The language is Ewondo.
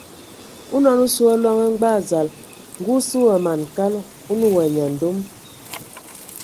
Onɔn o sɔ wa loŋ a ngbag dzal, ngə o sə wa man kal, o nə wa nyandomo.